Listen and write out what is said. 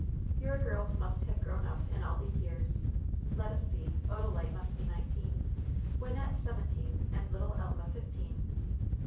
"Your girls must have grown up in all these years. Let us see. Odalite must be nineteen, Wynnette seven teen, and little Elva fifteen.